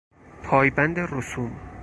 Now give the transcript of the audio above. پایبند رسوم